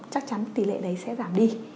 chắc chắn tỷ lệ đấy sẽ giảm đi